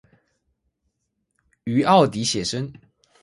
於澳底写生